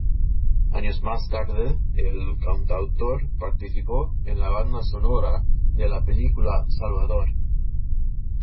Años más tarde el cantautor participó en la banda sonora de la película "Salvador".